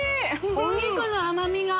お肉の甘みが。